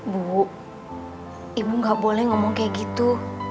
bu ibu gak boleh ngomong kayak gitu